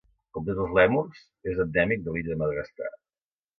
Com tots els lèmurs, és endèmic de l'illa de Madagascar.